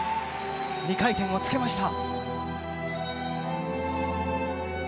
２回転を付けました。